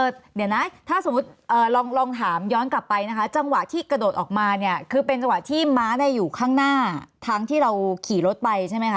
เดี๋ยวนะถ้าสมมุติลองถามย้อนกลับไปนะคะจังหวะที่กระโดดออกมาเนี่ยคือเป็นจังหวะที่ม้าเนี่ยอยู่ข้างหน้าทั้งที่เราขี่รถไปใช่ไหมคะ